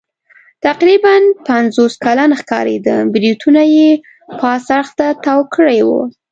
تقریباً پنځوس کلن ښکارېده، برېتونه یې پاس اړخ ته تاو کړي ول.